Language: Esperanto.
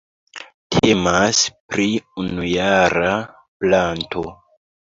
Temas pri unujara planto.